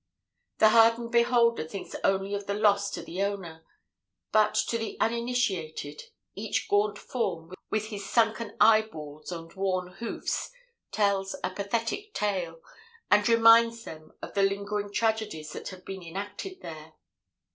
"The hardened beholder thinks only of the loss to the owner, but to the uninitiated, each gaunt form, with his sunken eyeballs and worn hoofs, tells a pathetic tale, and reminds them of the lingering tragedies that have been enacted there.